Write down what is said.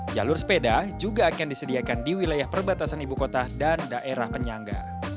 jalur sepeda juga akan disediakan di wilayah perbatasan ibu kota dan daerah penyangga